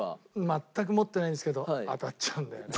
全く持ってないんですけど当たっちゃうんだよね。